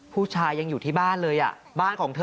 ผู้ชายยังอยู่ที่บ้านเลยอ่ะบ้านของเธอ